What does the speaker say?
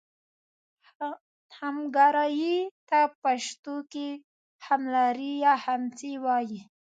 همګرایي ته پښتو کې هملاري یا همهڅي وايي.